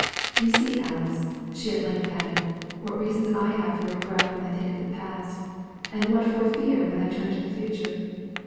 "You see, Alice," she at length added, "what reasons I have for regret when I think of the past, and what for fear when I turn to the future.